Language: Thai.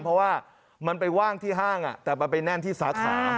เพราะว่ามันไปว่างที่ห้างแต่มันไปแน่นที่สาขา